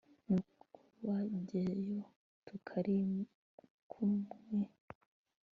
ntukajyeyo tutarikumwe